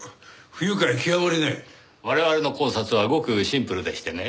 我々の考察はごくシンプルでしてねぇ。